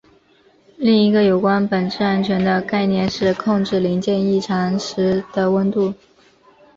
另一个有关本质安全的概念是控制零件异常时的温度。